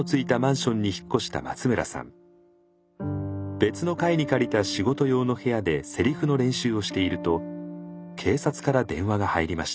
別の階に借りた仕事用の部屋でセリフの練習をしていると警察から電話が入りました。